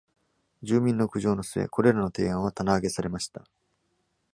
住民の苦情の末、これらの提案は棚上げされました。